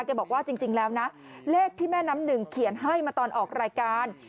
บอกว่าจริงแล้วนะเลขที่แม่น้ำหนึ่งเขียนให้มาตอนออกรายการ